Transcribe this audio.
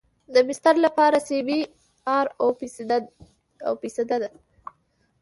د بستر لپاره سی بي ار اوه فیصده دی